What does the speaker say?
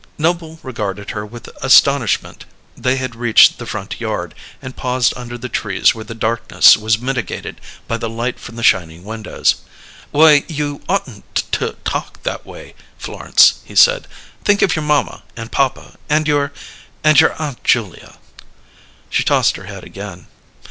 Noble regarded her with astonishment; they had reached the front yard, and paused under the trees where the darkness was mitigated by the light from the shining windows. "Why, you oughtn't to talk that way, Florence," he said. "Think of your mamma and papa and your and your Aunt Julia." She tossed her head again.